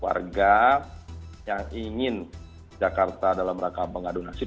warga yang ingin jakarta dalam rangka mengadu nasib